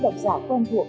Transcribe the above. đọc giả quen thuộc